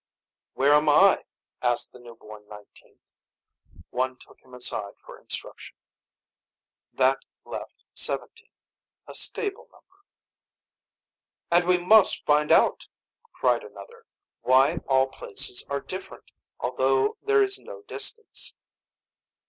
"Where am I?" asked the newborn nineteenth. One took him aside for instruction. That left seventeen. A stable number. "And we must find out," cried another, "Why all places are different, although there is no distance."